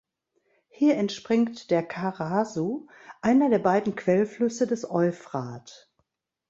Hier entspringt der Karasu, einer der beiden Quellflüsse des Euphrat.